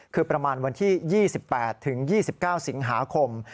คือประมาณวันที่๒๘ถึง๒๙สิงหาคม